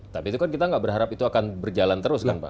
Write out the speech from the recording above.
tapi itu kan kita nggak berharap itu akan berjalan terus kan pak